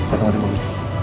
aku mau dulu